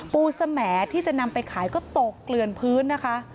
สมที่จะนำไปขายก็ตกเกลือนพื้นนะคะ